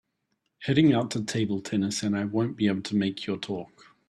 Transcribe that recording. Heading out to table tennis and I won’t be able to make your talk.